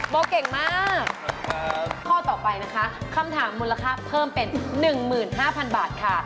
โบเก่งมากข้อต่อไปนะคะคำถามมูลค่าเพิ่มเป็น๑๕๐๐๐บาทค่ะ